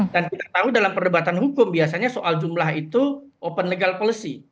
dan kita tahu dalam perdebatan hukum biasanya soal jumlah itu open legal policy